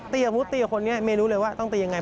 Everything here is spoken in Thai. ตีกับผู้ตีกับคนนี้เมย์รู้เลยว่าต้องตีอย่างไร